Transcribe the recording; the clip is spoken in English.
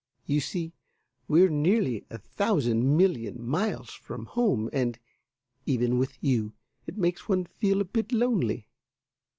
You see, we're nearly a thousand million miles from home, and, even with you, it makes one feel a bit lonely.